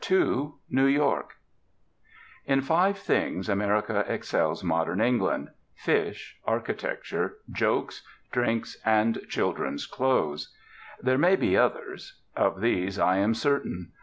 II NEW YORK In five things America excels modern England fish, architecture, jokes, drinks, and children's clothes. There may be others. Of these I am certain.